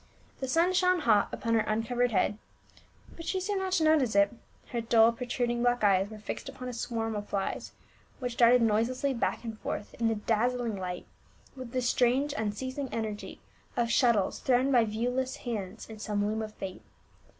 The sun shone hot upon her uncovered head, but she seemed not to notice it ; her dull protruding black eyes were fixed upon a swarm of flies, which darted noi.selessly back and forth in the dazzling light with the strange unceas ing energy of shuttles thrown by viewless hands in some loom of fate.